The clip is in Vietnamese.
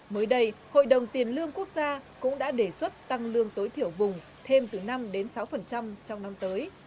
mới đây hội đồng tiền lương quốc gia cũng đã đề xuất tăng lương tối thiểu vùng thêm từ năm đến sáu trong năm tới